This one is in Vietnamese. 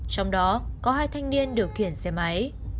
trong đó có hai thanh niên điều khiển xe máy